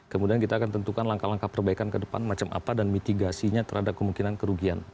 kemudian kita akan tentukan langkah langkah perbaikan ke depan macam apa dan mitigasinya terhadap kemungkinan kerugian